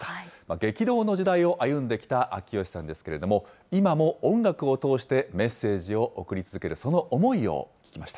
激動の時代を歩んできた秋吉さんですけれども、今も音楽を通して、メッセージを送り続ける、その思いを聞きました。